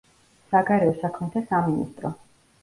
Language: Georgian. საგარეო საქმეთა სამინისტრო.